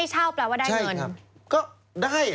ให้เช่าแปลว่าได้เงิน